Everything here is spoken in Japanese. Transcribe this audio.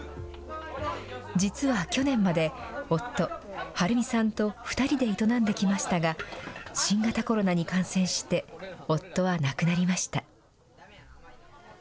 実は去年まで、夫、敏美さんと２人で営んできましたが、新型コロナに感染して、夫は亡くなりました。